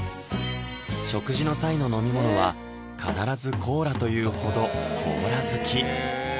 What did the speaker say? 食事の際の飲み物は必ずコーラというほどコーラ好き